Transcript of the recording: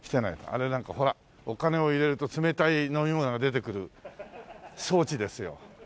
あれなんかほらお金を入れると冷たい飲み物が出てくる装置ですよ。